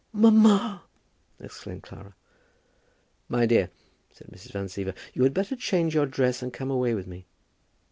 "Mamma!" exclaimed Clara. "My dear," said Mrs. Van Siever, "you had better change your dress and come away with me."